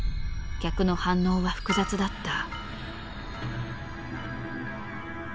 客の反応は複雑だった。